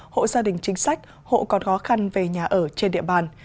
hộ gia đình chính sách hộ còn khó khăn về nhà ở trên địa bàn